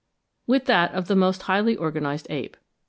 with that of the most highly organised ape.